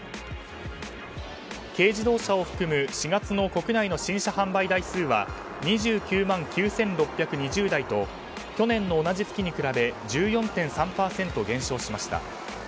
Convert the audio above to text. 軽自動車を含む４月の国内の新車販売台数は２９万９６２０台と去年の同じ月に比べ１４．３％減少しました。